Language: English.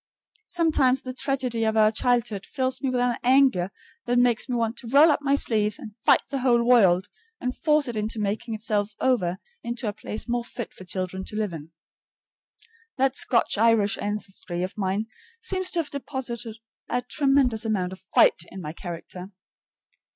Sometimes the tragedy of your childhood fills me with an anger that makes me want to roll up my sleeves and fight the whole world and force it into making itself over into a place more fit for children to live in. That Scotch Irish ancestry of mine seems to have deposited a tremendous amount of FIGHT in my character.